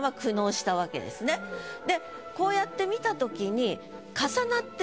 でこうやって見たときに。